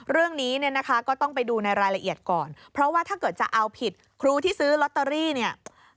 เรื่องนี้เนี่ยนะคะก็ต้องไปดูในรายละเอียดก่อนเพราะว่าถ้าเกิดจะเอาผิดครูที่ซื้อลอตเตอรี่เนี่ย